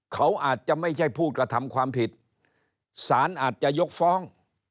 เขาอาจจะไม่ใช่ผู้กระทำความผิดสารอาจจะยกฟ้อง